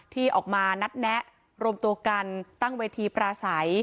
ที่ออกมานัดแนะรวมตัวกันตั้งเวทีปราศัย